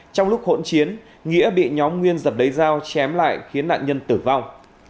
trong lúc hỗn chiến nghĩa bị nhóm nguyên dập đáy dao chém lại khiến nạn nhân tử vong